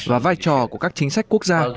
và vai trò của các chính sách quốc gia